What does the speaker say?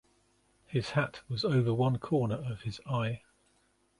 His hat was over one corner of his eye.